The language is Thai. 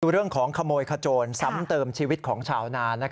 เรื่องของขโมยขโจรซ้ำเติมชีวิตของชาวนา